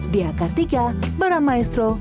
di akar tiga baramaestro